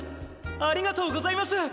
ありがとうございます！